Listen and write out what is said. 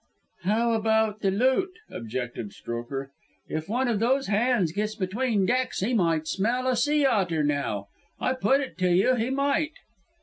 "How about the loot?" objected Strokher. "If one of those hands gets between decks he might smell a sea otter, now. I put it to you he might."